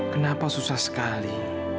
kenapa susah sekali